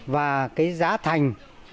và giá thành